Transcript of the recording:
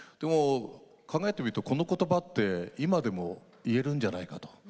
考えてみると、この言葉は今でも言えるんじゃないかなと。